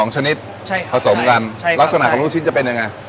ชนิดผสมกันลักษณะของลูกชิ้นจะเป็นยังไง